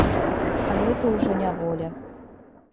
А гэта ўжо няволя.